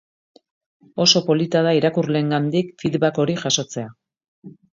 Oso polita da irakurleengandik feedback hori jasotzea.